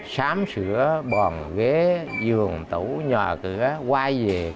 xám sữa bòn ghế giường tủ nhà cửa quay về cái lấu cổ